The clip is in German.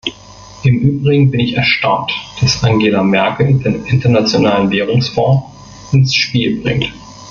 Im Übrigen bin ich erstaunt, dass Angela Merkel den Internationalen Währungsfonds ins Spiel bringt.